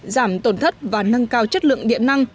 giảm tổn thất và nâng cao chất lượng điện năng